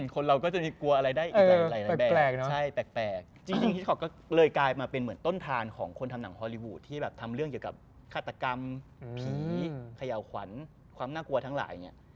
ขยาวขวัญความน่ากลัวทั้งหลาย